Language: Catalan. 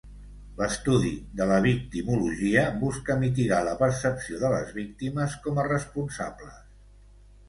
L'estudi de la victimologia busca mitigar la percepció de les víctimes com a responsables.